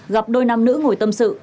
gặp đôi nam nữ ngồi tâm sự